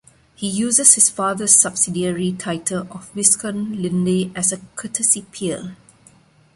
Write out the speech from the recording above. He uses his father's subsidiary title of Viscount Linley as a courtesy peer.